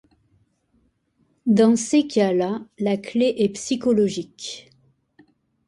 Dans ces cas-là, la clef est psychologique.